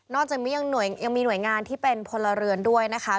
จากนี้ยังมีหน่วยงานที่เป็นพลเรือนด้วยนะคะ